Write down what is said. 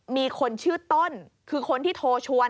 มีคนชื่อต้นคือคนที่โทรชวน